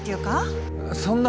そんな。